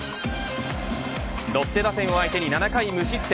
ロッテ打線を相手に７回無失点。